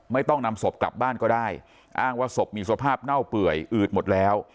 ไม่ต้องนำศพกลับบ้านก็ได้อ้างว่าศพมีสภาพเน่าเปื่อยอืดหมดแล้ว